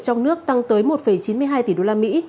trong nước tăng tới một chín mươi hai tỷ đô la mỹ